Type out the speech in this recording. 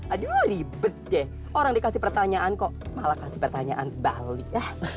aduh ribet deh orang dikasih pertanyaan kok malah kasih pertanyaan balik